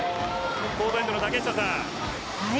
コートエンドの竹下さん。